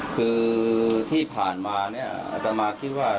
คือที่ผ่านมาเนี่ยอัตมาคิดว่า